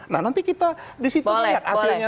nah nanti kita disitu lihat hasilnya